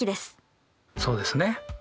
そうですね。